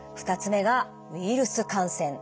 ２つ目がウイルス感染。